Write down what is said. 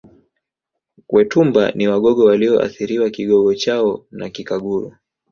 Wetumba ni Wagogo walioathiriwa Kigogo chao na Kikaguru